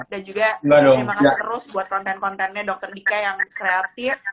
dan juga berterima kasih terus buat konten kontennya dokter dika yang kreatif